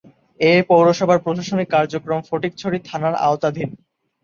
এ পৌরসভার প্রশাসনিক কার্যক্রম ফটিকছড়ি থানার আওতাধীন।